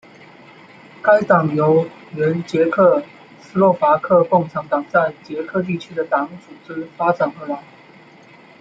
该党由原捷克斯洛伐克共产党在捷克地区的党组织发展而来。